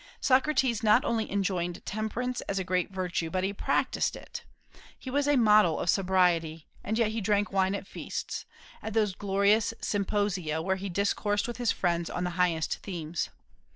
Socrates not only enjoined temperance as a great virtue, but he practised it. He was a model of sobriety, and yet he drank wine at feasts, at those glorious symposia where he discoursed with his friends on the highest themes.